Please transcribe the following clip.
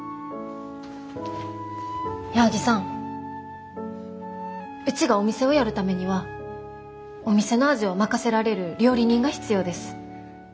矢作さんうちがお店をやるためにはお店の味を任せられる料理人が必要です。